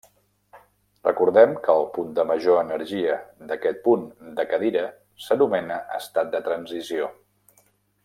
Recordem que el punt de major energia d'aquest punt de cadira s'anomena estat de transició.